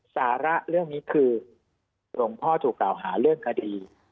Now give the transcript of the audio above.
สาระเรื่องนี้คือหลวงพ่อถูกกล่าวหาเรื่องคดี